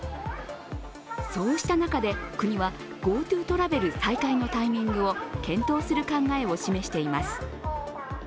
そうした中で国はＧｏＴｏトラベル再開のタイミングを検討する考えを示しています。